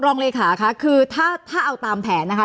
รองเลขาค่ะคือถ้าเอาตามแผนนะคะ